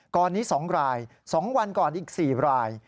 ก่อนนี้๒ราย๒วันก่อนอีก๔ราย